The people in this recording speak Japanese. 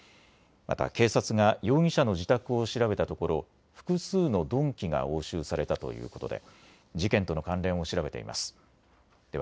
また警察が容疑者の自宅を調べたところ複数の鈍器が押収されたということで事件との関連を調べています。